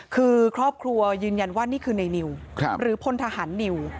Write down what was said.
คือครอบครัวยืนยันว่านี่คือในนิวหรือพลทหารนิว